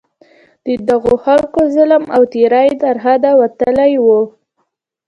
د دغو خلکو ظلم او تېری تر حده وتلی وو.